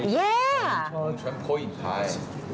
ผมชอบผู้หญิงไทย